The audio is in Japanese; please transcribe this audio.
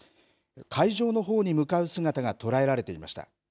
会場のほうに向かう姿が捉えられていました。